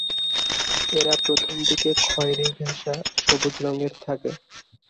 এরা প্রথম দিকে খয়েরি-ঘেঁষা সবুজ রঙের থাকে।